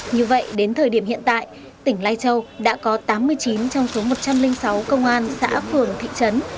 như vậy đến thời điểm hiện tại tỉnh lai châu đã có tám mươi chín trong số một trăm linh sáu công an xã phường thị trấn